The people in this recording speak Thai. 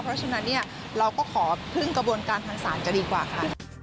เพราะฉะนั้นเนี่ยเราก็ขอพึ่งกระบวนการทางศาลจะดีกว่าค่ะ